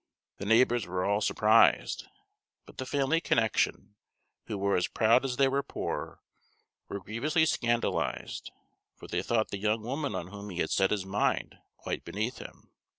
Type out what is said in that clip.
The neighbors were all surprised; but the family connection, who were as proud as they were poor, were grievously scandalized, for they thought the young woman on whom he had set his mind quite beneath him.